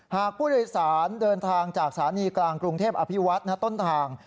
หากผู้โดยสารเดินทางจากสถานีกลางกรุงเทพอภิวัตต้นทาง